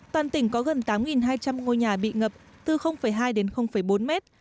toàn tỉnh có gần tám hai trăm linh ngôi nhà bị ngập từ hai đến bốn mét